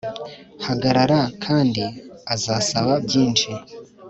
hagarara kandi azasaba byinshi